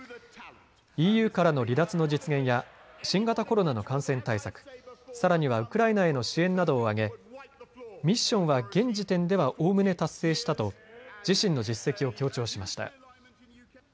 ＥＵからの離脱の実現や新型コロナの感染対策、さらにはウクライナへの支援などを挙げミッションは現時点ではおおむね達成したと自身の実績を強調しました。